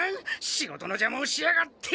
仕事のじゃまをしやがって！